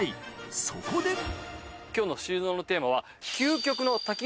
そこで今日の収納のテーマは。